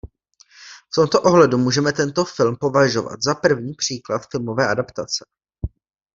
V tomto ohledu můžeme tento film považovat za první příklad filmové adaptace.